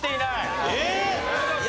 えっ！？